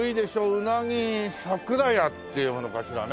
「うなぎ桜家」って読むのかしらね。